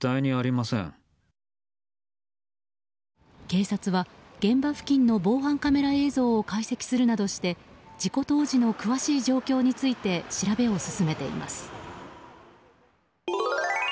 警察は現場付近の防犯カメラ映像を解析するなどして事故当時の詳しい状況について調べを進めています。